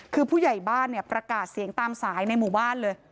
คือผู้ใหญ่บ้านเนี่ยประกาศเสียงตามสายในหมู่บ้านเลย